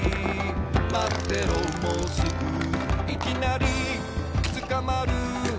「まってろもうすぐ」「いきなりつかまる」